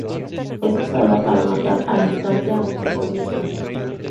Es usada para matar al instante a un cuerpo de Pain.